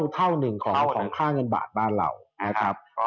เท่าหนึ่งของค่าเงินบาทบ้านเรานะครับ